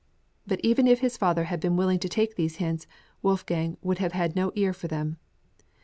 But even if his father had been willing to take these hints, Wolfgang would have had no ear for them.